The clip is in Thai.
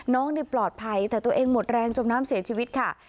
ปลอดภัยแต่ตัวเองหมดแรงจมน้ำเสียชีวิตค่ะ